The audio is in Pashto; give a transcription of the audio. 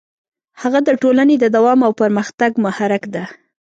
هڅه د ټولنې د دوام او پرمختګ محرک ده.